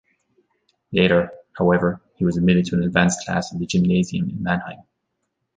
Later, however, he was admitted to an advanced class of the gymnasium in Mannheim.